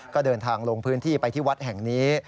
ก็เดินทางลงพื้นที่ไปที่วัดแห่งนี้